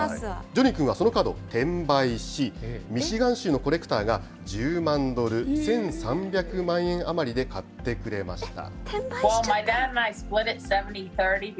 ジョニー君はそのカード、転売し、ミシガン州のコレクターが１０万ドル、１３００万円余りで買ってくれました。